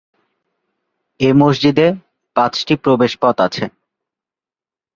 এ মসজিদে পাঁচটি প্রবেশপথ আছে।